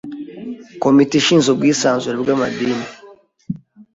komite ishinzwe ubwisanzure bw’amadini